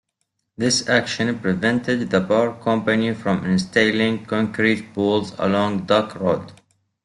This action prevented the power company from installing concrete poles along Duck Road.